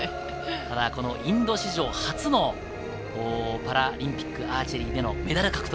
インド史上初のパラリンピック・アーチェリーでのメダル獲得。